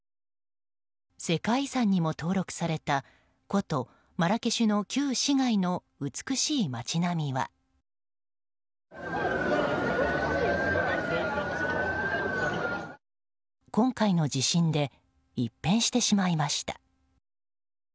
世界遺産にも登録された古都マラケシュの旧市街の美しい街並みは今回の地震で一変してしまいました。